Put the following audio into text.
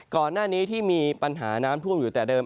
ก่อนหน้านี้ที่มีปัญหาน้ำท่วมอยู่แต่เดิม